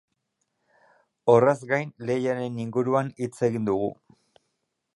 Horrez gain, lehiaren inguruan hitz egin dugu.